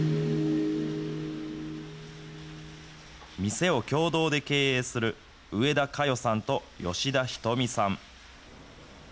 店を共同で経営する上田華代さんと吉田仁美さん。